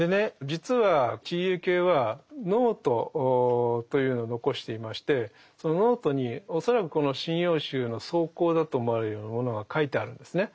実は知里幸恵はノートというのを残していましてそのノートに恐らくこの「神謡集」の草稿だと思われるようなものが書いてあるんですね。